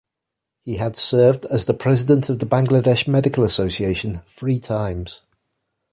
He had served as the President of Bangladesh Medical Association three times.